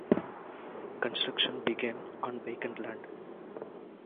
Construction began on vacant land.